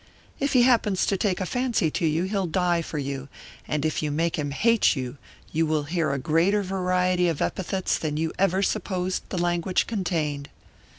If he happens to take a fancy to you, he'll die for you; and if you make him hate you, you will hear a greater variety of epithets than you ever supposed the language contained.